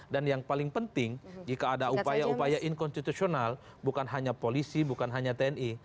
dan yang paling penting jika ada upaya upaya inkonstitusional bukan hanya polisi bukan hanya tni